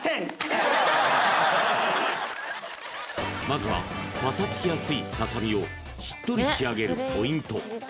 まずはパサつきやすいささみをしっとり仕上げるポイント